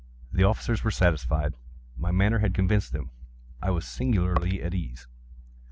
The officers were satisfied. My manner had convinced them. I was singularly at ease.